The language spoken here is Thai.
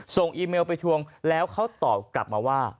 อีเมลไปทวงแล้วเขาตอบกลับมาว่า